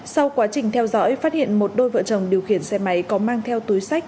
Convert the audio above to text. sau quá trình theo dõi phát hiện một đôi vợ chồng điều khiển xe máy có mang theo túi sách